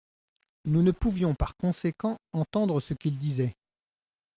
Nous ne pouvions par conséquent entendre ce qu'ils disaient.